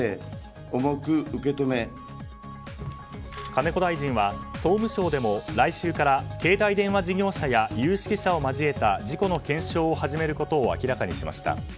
金子大臣は総務省でも来週から携帯電話事業者や有識者を交えた事故の検証を始めることを明らかにしました。